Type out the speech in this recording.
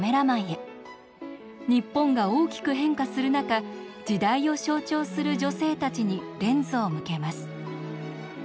日本が大きく変化する中時代を象徴する女性たちにレンズを向けます。